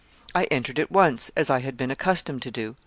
I entered at once, as I had been accustomed to do.